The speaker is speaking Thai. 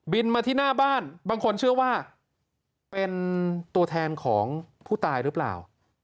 มาที่หน้าบ้านบางคนเชื่อว่าเป็นตัวแทนของผู้ตายหรือเปล่า